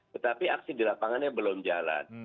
tetapi aksi di lapangannya belum jalan